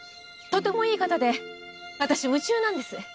とてもいい方で私夢中なんです。